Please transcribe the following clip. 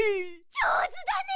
じょうずだね！